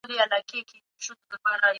فطري غوښتنې باید په سمه توګه پوره سي.